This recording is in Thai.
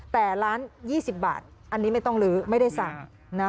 แต่ร้าน๒๐บาทอันนี้ไม่ต้องลื้อไม่ได้สั่ง